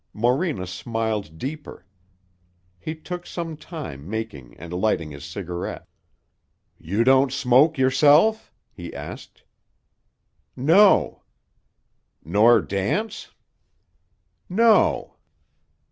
Morena smiled deeper. He took some time making and lighting his cigarette. "You don't smoke, yourself?" he asked. "No." "Nor dance?" "No."